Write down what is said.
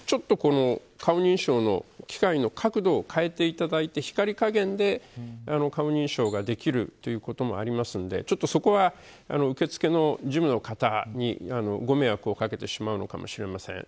顔認証の機械の角度を変えていただいて光加減で顔認証ができるということもありますのでそこは、受け付けの事務の方にご迷惑をかけてしまうのかもしれません。